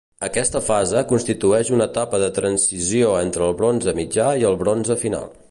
Aquesta fase constitueix una etapa de transició entre el bronze mitjà i el bronze final.